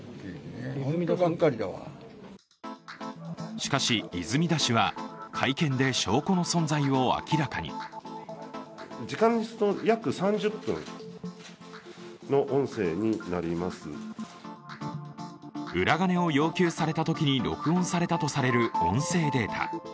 しかし、泉田氏は会見で証拠の存在を明らかに。裏金を要求されたときに録音されたとされる音声データ。